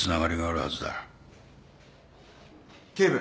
警部。